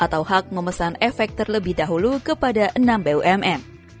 atau hak memesan efek terlebih dahulu kepada enam bumn